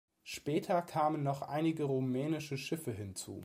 Später kamen noch einige rumänische Schiffe hinzu.